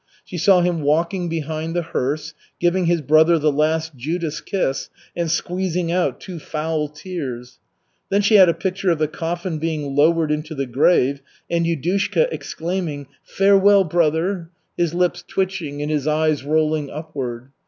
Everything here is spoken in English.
She saw him walking behind the hearse, giving his brother the last Judas kiss and squeezing out two foul tears. Then she had a picture of the coffin being lowered into the grave and Yudushka exclaiming, "Farewell, brother!" his lips twitching and his eyes rolling upward.